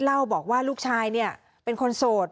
เล่าบอกว่าลูกชายเนี่ยเป็นคนโสด